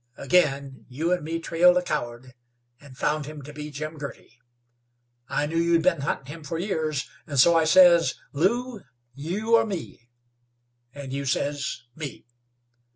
Again you and me trailed a coward and found him to be Jim Girty. I knew you'd been huntin' him for years, and so I says, 'Lew, you or me?' and you says, 'Me.'